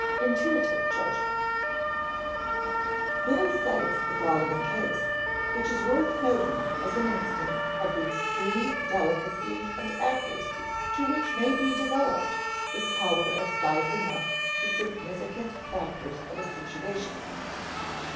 [Sidenote: Intuitive judgments] Mill cites the following case, which is worth noting as an instance of the extreme delicacy and accuracy to which may be developed this power of sizing up the significant factors of a situation.